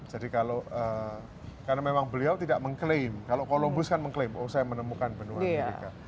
jadi kalau karena memang beliau tidak mengklaim kalau columbus kan mengklaim oh saya menemukan benua amerika